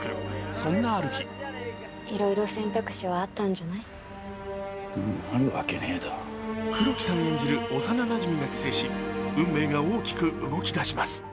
そんなある日黒木さん演じる幼なじみが帰省し運命が大きく動き出します。